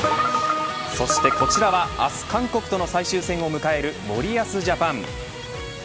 そしてこちらは明日韓国との最終戦を迎える森保ジャパン。